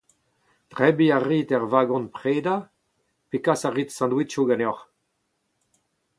Debriñ a rit er vagon-predañ pe kas a rit sandwichoù ganeoc’h ?